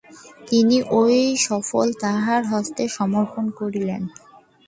তিনি ঐ ফল তাহার হস্তে সমর্পণ করিলেন।